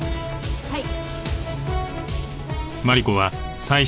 はい。